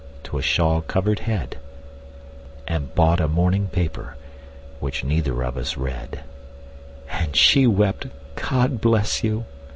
to a shawl covered head, And bought a morning paper, which neither of us read; And she wept, "God bless you!"